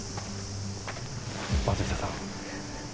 松下さん。